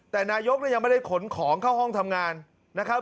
แต่นายกยังไม่ได้ขนของเข้าห้องทำงานนะครับ